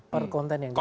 per konten yang dibawa